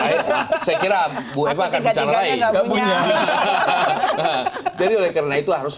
jadi oleh karena itu harusnya memang sudah saatnya bahwa partai politik di indonesia itu adalah partai yang memiliki hak suara